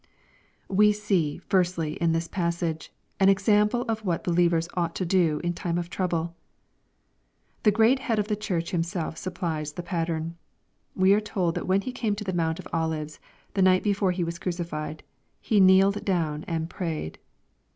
We see, firstly, in this passage, an example of what he lievers ought to do in time of trouble. The great Head of the Church Himself supplies the pattern. We are told that when He came to the Mount of Olives, the night before He was crucified, "He kneeled down and prayed."